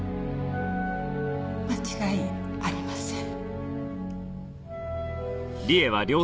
間違いありません。